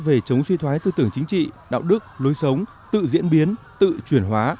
về chống suy thoái tư tưởng chính trị đạo đức lối sống tự diễn biến tự chuyển hóa